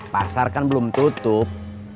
pasar kan belum tutup